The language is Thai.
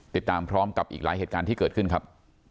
ติดตามพร้อมกับอีกหลายเหตุการณ์ที่เกิดขึ้นครับ